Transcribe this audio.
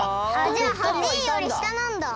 じゃあ８いよりしたなんだ。